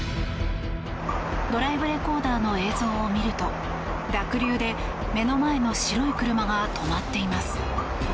ドライブレコーダーの映像を見ると濁流で、目の前の白い車が止まっています。